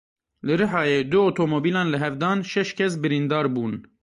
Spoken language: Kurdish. Li Rihayê du otomobîlan li hev dan şeş kes birîndar bûn.